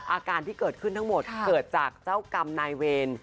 อาการที่เกิดขึ้นทั้งหมดเกิดจากเจ้ากรรมนายเวร